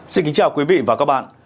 xin kính chào quý vị và các bạn